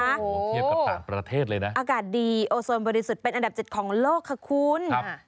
โอ้โหเทียบกับต่างประเทศเลยนะอากาศดีโอโซนบริสุทธิ์เป็นอันดับ๗ของโลกค่ะคุณ